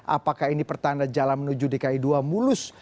apakah ini pertanda jalan menuju dki dua mulus